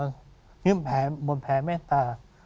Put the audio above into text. คือบทแผงเมตา